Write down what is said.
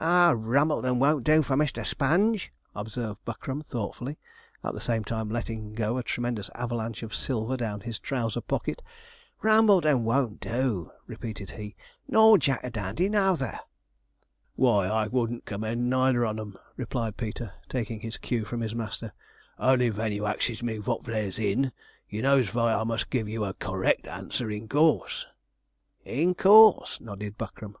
'Ah, Rumbleton won't do for Mr. Sponge,' observed Buckram, thoughtfully, at the same time letting go a tremendous avalanche of silver down his trouser pocket, 'Rumbleton won't do,' repeated he, 'nor Jack a Dandy nouther.' 'Why, I wouldn't commend neither on 'em,' replied Peter, taking his cue from his master, 'only ven you axes me vot there's in, you knows vy I must give you a cor rect answer, in course.' 'In course,' nodded Buckram.